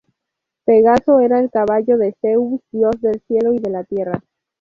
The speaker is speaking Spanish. Pegaso era el caballo de Zeus, dios del Cielo y de la Tierra.